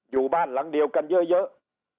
อยู่บ้านหลังเดียวกันเยอะ